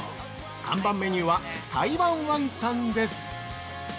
看板メニューは台湾ワンタンです。